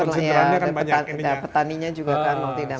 sebenarnya petaninya juga mau tidak mau